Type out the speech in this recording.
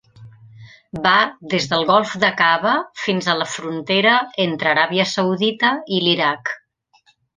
Va des del golf d'Aqaba fins a la frontera entre Aràbia Saudita i l'Iraq.